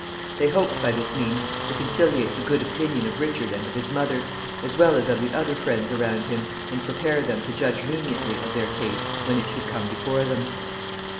They hoped by this means to conciliate the good opinion of Richard and of his mother, as well as of the other friends around him, and prepare them to judge leniently of their case when it should come before them.